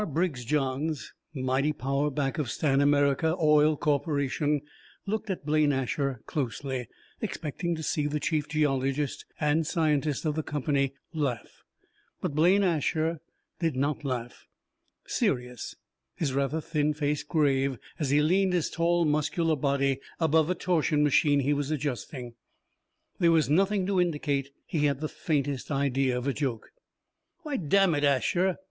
Briggs Johns, mighty power back of Stan America Oil Corporation, looked at Blaine Asher closely, expecting to see the chief geologist and scientist of the company laugh. But Blaine Asher did not laugh. Serious, his rather thin face grave as he leaned his tall, muscular body above a torsion machine he was adjusting, there was nothing to indicate he had the faintest idea of a joke. "Why damn it, Asher!"